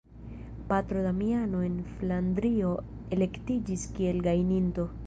Patro Damiano en Flandrio elektiĝis kiel gajninto.